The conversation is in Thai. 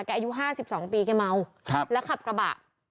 อายุ๕๒ปีแกเมาแล้วขับกระบะ